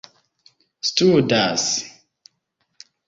studas